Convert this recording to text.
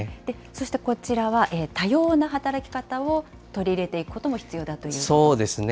そしてこちらは、多様な働き方を取り入れていくことも必要だそうですね。